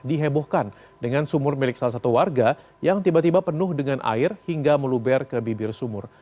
dihebohkan dengan sumur milik salah satu warga yang tiba tiba penuh dengan air hingga meluber ke bibir sumur